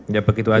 ya begitu aja